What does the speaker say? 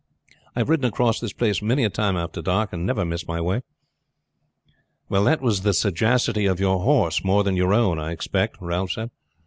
I have ridden across this place many a time after dark, and never missed my way." "That was the sagacity of your horse more than your own, I expect," Ralph said.